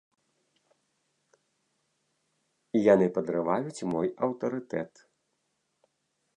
Яны падрываюць мой аўтарытэт.